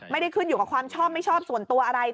ไม่ได้ขึ้นอยู่กับความชอบไม่ชอบส่วนตัวอะไร